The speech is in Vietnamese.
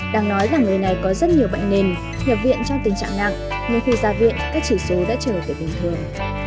đang nói là người này có rất nhiều bệnh nền nhập viện trong tình trạng nặng nhưng khi ra viện các chỉ số đã trở về bình thường